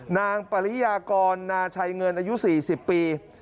ปริยากรนาชัยเงินอายุ๔๐ปี